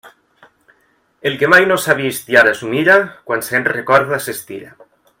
El que mai s'ho ha vist i ara s'ho mira, quan se'n recorda s'estira.